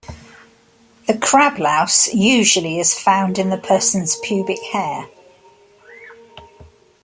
The crab louse usually is found in the person's pubic hair.